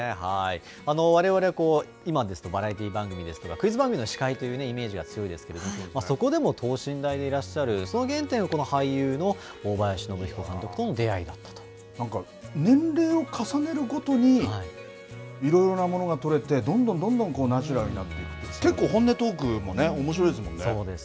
われわれ、今ですと、バラエティー番組ですとか、クイズ番組の司会というイメージが強いですけれど、そこでも等身大でいらっしゃる、その原点を俳優の年齢を重ねるごとに、いろいろなものがとれて、どんどんどんどんナチュラルになって、結構、本音トークもね、おもしろいですもんね。